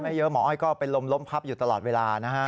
เยอะหมออ้อยก็เป็นลมล้มพับอยู่ตลอดเวลานะฮะ